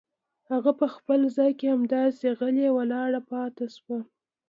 هغه په خپل ځای کې همداسې غلې ولاړه پاتې شوه.